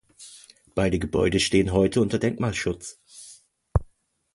Beide Gebäude stehen heute unter Denkmalschutz.